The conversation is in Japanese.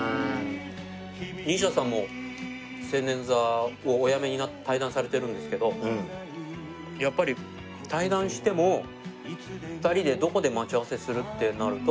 西田さんも青年座をおやめになって退団されてるんですけどやっぱり退団しても２人でどこで待ち合わせするってなると。